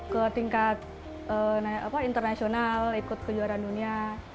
ke tingkat internasional ikut ke juara dunia